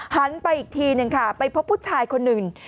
หันไปอีกทีหนึ่งค่ะไปพบผู้ชายคนหนึ่ง